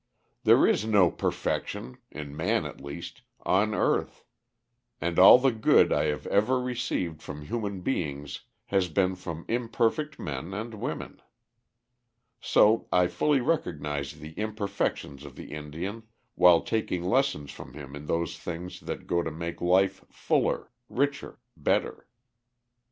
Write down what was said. There is no perfection, in man at least, on earth, and all the good I have ever received from human beings has been from imperfect men and women. So I fully recognize the imperfections of the Indian while taking lessons from him in those things that go to make life fuller, richer, better.